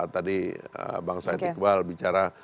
tadi bang said iqbal bicara